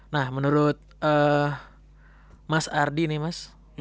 nah menurut mas ardi nih mas